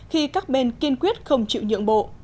khi các bên kiên quyết không chịu nhượng bộ